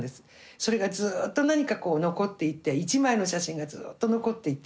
それがずっと何かこう残っていて一枚の写真がずっと残っていて。